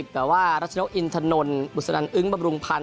แต่ว่ารัชนกอินทนนบุษนันอึ้งบำรุงพันธ